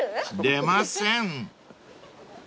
［出ません］